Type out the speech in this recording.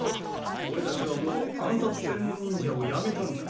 オレたちはもう暗殺専門忍者をやめたんだ。